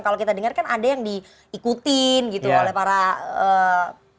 kalau kita dengar kan ada yang diikutin gitu oleh para